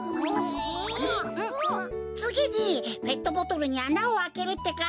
つぎにペットボトルにあなをあけるってか。